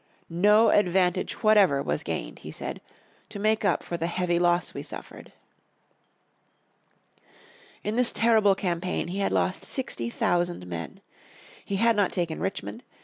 "No advantage whatever was gained," he said, "to make up for the heavy loss we suffered." In this terrible campaign he had lost sixty thousand men. He had not taken Richmond.